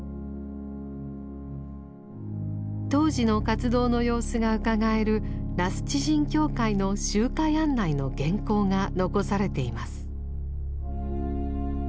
当時の活動の様子がうかがえる羅須地人協会の集会案内の原稿が残されています。